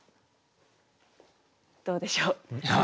どうでしょう？